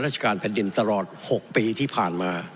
ราชการแผ่นดินตลอด๖ปีที่ผ่านมา